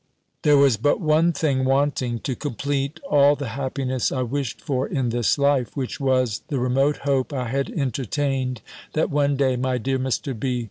There was but one thing wanting to complete all the happiness I wished for in this life; which was, the remote hope I had entertained, that one day, my dear Mr. B.